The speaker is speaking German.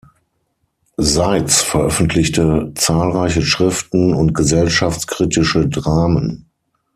Seitz veröffentlichte zahlreiche Schriften und gesellschaftskritische Dramen.